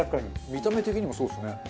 見た目的にもそうですね。